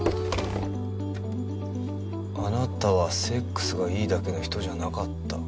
「あなたはセックスがいいだけの人じゃなかった」。